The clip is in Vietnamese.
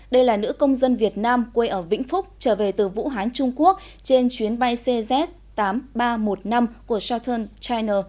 đây là nữ công dân việt nam quê ở vĩnh phúc trở về từ vũ hán trung quốc trên chuyến bay cz tám nghìn ba trăm một mươi năm của southern china